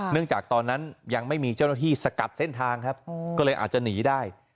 จากตอนนั้นยังไม่มีเจ้าหน้าที่สกัดเส้นทางครับก็เลยอาจจะหนีได้